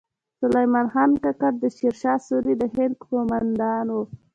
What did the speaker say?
سلیمان خان کاکړ د شیر شاه سوري د هند کومندان و